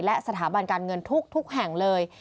และสถาบันการเงินทุกแห่งเลย